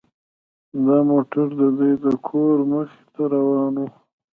دا موټر د دوی د کور مخې ته روان و